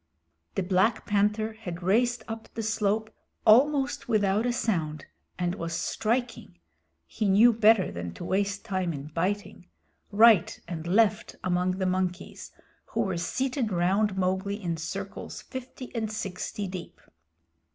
The Black Panther had raced up the slope almost without a sound and was striking he knew better than to waste time in biting right and left among the monkeys, who were seated round Mowgli in circles fifty and sixty deep.